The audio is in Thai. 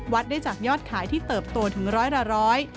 ได้จากยอดขายที่เติบโตถึงร้อยละร้อย